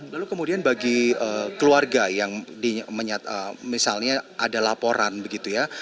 lalu kemudian bagi keluarga yang misalnya ada laporan begitu ya